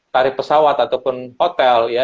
tarif pesawat ataupun hotel ya